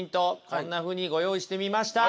こんなふうにご用意してみました！